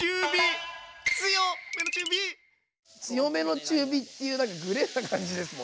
強めの中火っていう何かグレーな感じですもんね。